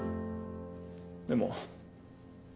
でも。